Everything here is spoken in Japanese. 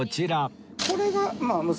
これが娘。